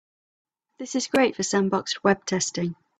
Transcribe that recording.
This is great for sandboxed web testing.